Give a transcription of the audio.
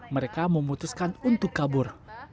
mereka memutuskan untuk kabur